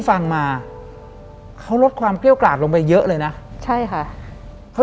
หลังจากนั้นเราไม่ได้คุยกันนะคะเดินเข้าบ้านอืม